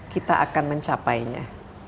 kita akan mencapainya